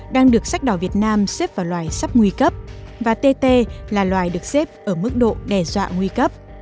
đang được sách đỏ việt nam xếp vào loài sắp nguy cấp và tt là loài được xếp ở mức độ đe dọa nguy cấp